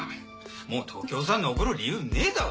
もう東京さ残る理由ねえだが？